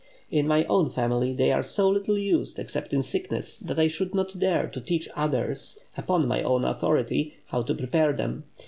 In my own family they are so little used, except in sickness, that I should not dare to teach others, upon my own authority, how to prepare them.